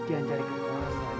jangan cari kekuasaan